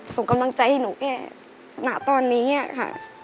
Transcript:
ส่งกำลังใจให้หนูแกณตอนนี้ค่ะ